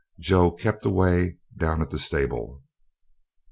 Joe kept away down at the stable.